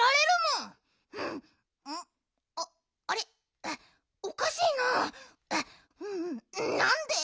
んなんで？